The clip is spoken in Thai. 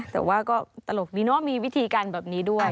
แต่ว่าก็ตลกดีเนอะมีวิธีการแบบนี้ด้วย